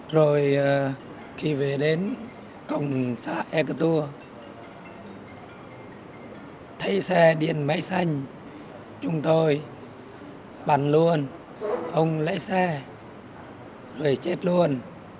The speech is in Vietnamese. rồi khi về đến cổng xã ekatur thấy xe điện máy xanh chúng tôi bắn luôn ông lấy xe rồi chết luôn